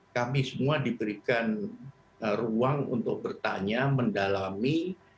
kami semua diberikan ruang untuk bertanya mendalami